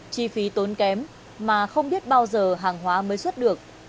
chi phí tốn kém mà không biết bao giờ hàng hóa mới xuất được